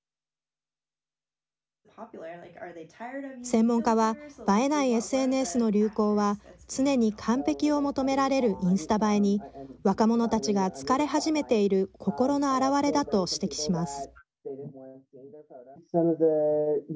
専門家は映えないＳＮＳの流行は常に完璧を求められるインスタ映えに若者たちが疲れ始めている心の表れだと指摘します。